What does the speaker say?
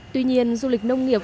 tuy nhiên du lịch nông nghiệp